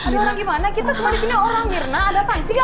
ada orang gimana kita semua disini orang mirna ada tansi ga